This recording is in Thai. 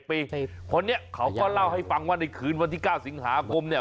คนนี้เขาก็เล่าให้ฟังว่าในคืนวันที่๙สิงหาคมเนี่ย